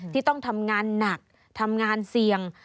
ที่ต้องทำงานหนักทำงานเสี่ยง